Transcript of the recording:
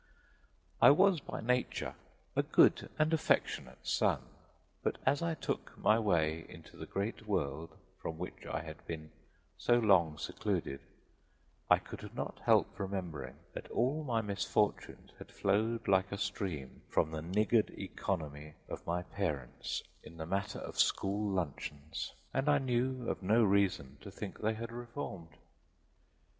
I was by nature a good and affectionate son, but as I took my way into the great world from which I had been so long secluded I could not help remembering that all my misfortunes had flowed like a stream from the niggard economy of my parents in the matter of school luncheons; and I knew of no reason to think they had reformed.